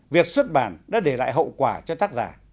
việc xuất bản đã để lại hậu quả cho tác giả